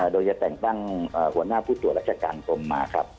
โดยจะแต่งตั้งหัวหน้าผู้ตรวจราชการกรมมาครับ